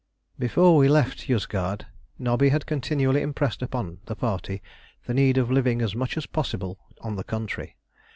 Before we left Yozgad, Nobby had continually impressed upon the party the need of living as much as possible on the country.